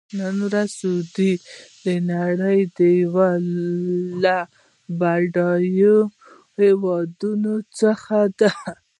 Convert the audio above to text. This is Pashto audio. نن ورځ سعودي د نړۍ یو له بډایه هېوادونو څخه دی.